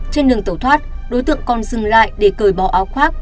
trên đường tẩu thoát đối tượng còn dừng lại để cởi bò áo khoác